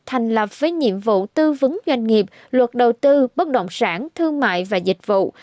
thành lập với nhiệm vụ tư vấn doanh nghiệp luật đầu tư bất động sản thương mại và dịch vụ